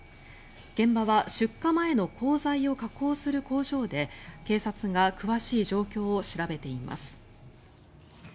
現場は出荷前の鋼材を加工する工場で警察が詳しい状況を調べています。